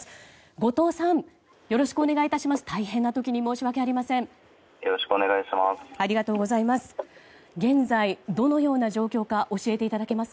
後藤さんよろしくお願いいたします。